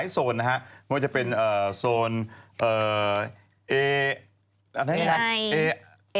พี่ชอบแซงไหลทางอะเนาะ